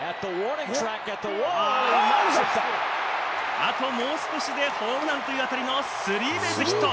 あともう少しでホームランという当たりのスリーベースヒット。